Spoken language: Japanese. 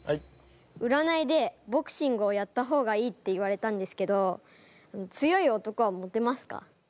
うらないでボクシングをやった方がいいって言われたんですけど強い男はモテますか？